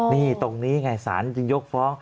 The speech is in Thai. นี่ตรงนี้ไงศาลจึงยกฟ้อง